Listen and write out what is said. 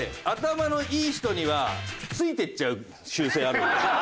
頭のいい人にはついていっちゃう習性あるんで。